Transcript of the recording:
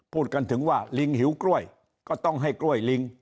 พูดกันถึงว่าลิงหิวกล้วยก็ต้องให้กล้วยลิง